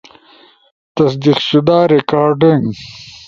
تصدیق شدہ ریکارڈنگ